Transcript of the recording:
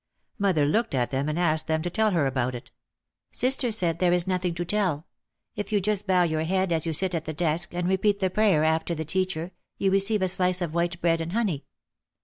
Mother looked at them and asked them to tell her about it. Sister said, "There is nothing to tell. If you just bow your head as you sit at the desk, and repeat the prayer after the teacher you receive a slice of white bread and honey."